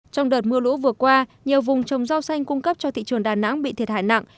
trong đợt mưa lũ vừa qua nhiều vùng trồng rau xanh cung cấp cho thị trường đà nẵng bị thiệt hại nặng